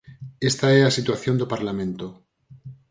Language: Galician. Esta é a situación do Parlamento.